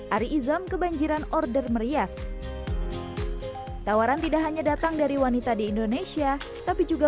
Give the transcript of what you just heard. ari izam kebanjiran order merias tawaran tidak hanya datang dari wanita di indonesia tapi juga